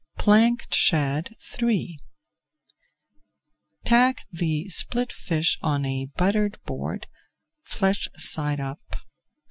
PLANKED SHAD III Tack the split fish on a buttered board, flesh side up.